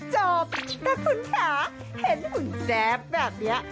จบแต่คุณค่ะเห็นหุ่นแซ่บแบบนี้